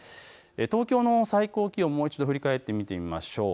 東京の最高気温もう一度振り返って見てみましょう。